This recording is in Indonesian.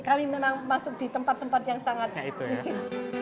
kami memang masuk di tempat tempat yang sangat miskin